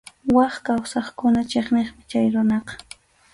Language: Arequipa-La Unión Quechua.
Wak kawsaqkuna chiqniqmi chay runaqa.